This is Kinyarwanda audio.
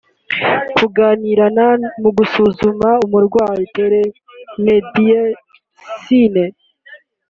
Kunganirana mu gusuzuma umurwayi (Telemedicine)